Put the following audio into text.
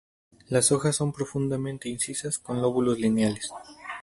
Las hojas son profundamente incisas con lóbulos lineales.